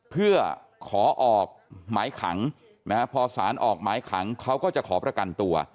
เพื่อขอออกหมายขังนะฮะพอสารออกหมายขังเขาก็จะขอประกันตัว